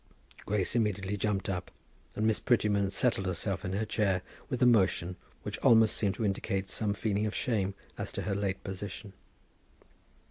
Grace immediately jumped up, and Miss Prettyman settled herself in her chair with a motion which almost seemed to indicate some feeling of shame as to her late position.